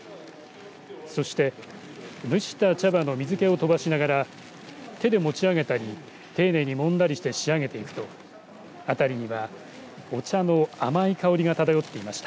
そして蒸した茶葉の水気を飛ばしながら手で持ち上げたり丁寧にもんだりして仕上げていくと辺りにはお茶の甘い香りが漂っていました。